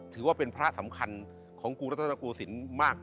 ถือว่าเป็นพระสำคัญของกูและท่านกูศิลป์มาก